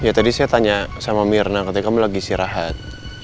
ya tadi saya tanya sama mirna katanya kamu lagi istirahat